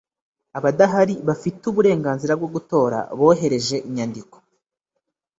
Abadahari bafite uburenganzira bwo gutora bohereje inyandiko